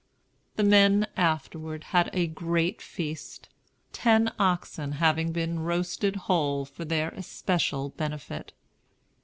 The men afterward had a great feast; ten oxen having been roasted whole, for their especial benefit.